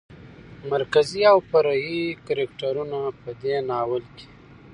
مرکزي او فرعي کرکترونو په دې ناول کې